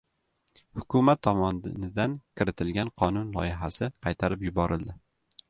Hukumat tomonidan kiritilgan qonun loyihasi qaytarib yuborildi